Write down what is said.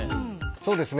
そうですね。